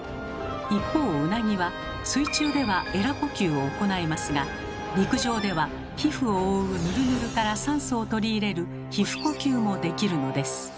一方ウナギは水中ではエラ呼吸を行いますが陸上では皮膚を覆うヌルヌルから酸素を取り入れる「皮膚呼吸」もできるのです。